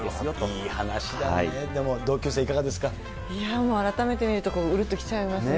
いい話ですね、でも、同級生、もう改めて見るとうるっときちゃいますね。